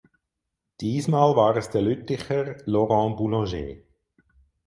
Diesmal war es der Lütticher Laurent Boulanger.